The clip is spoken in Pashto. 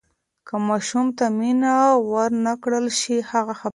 که ماشوم ته مینه ورنکړل شي، هغه خفه کیږي.